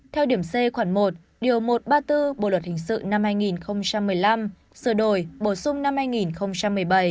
theo điểm c khoảng một điều một trăm ba mươi bốn bộ luật hình sự năm hai nghìn một mươi năm sửa đổi bổ sung năm hai nghìn một mươi bảy